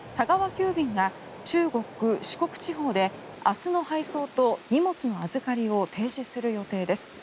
急便が中国、四国地方で明日の配送と荷物の預かりを停止する予定です。